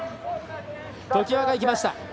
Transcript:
常磐がいきました。